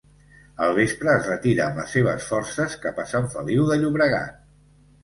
Al vespre es retira amb les seves forces cap a Sant Feliu de Llobregat.